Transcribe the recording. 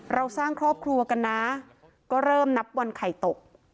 เราสร้างครอบครัวกันนะก็เริ่มนับวันไข่ตก